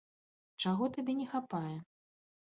Чаго табе не хапае?